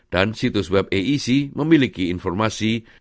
dan situs web aec memiliki informasi